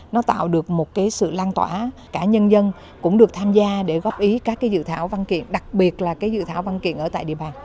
nó tạo được một cái sự lan tỏa cả nhân dân cũng được tham gia để góp ý các cái dự thảo văn kiện đặc biệt là cái dự thảo văn kiện ở tại địa bàn